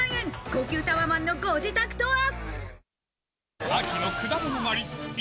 高級タワマンのご自宅とは。